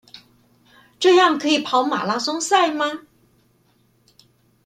這樣可以跑馬拉松賽嗎？